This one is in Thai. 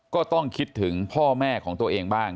ก็ต้องคิดถึงพ่อแม่ของตัวเองบ้าง